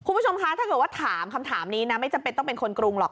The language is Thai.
คุณผู้ชมคะถ้าเกิดว่าถามคำถามนี้นะไม่จำเป็นต้องเป็นคนกรุงหรอก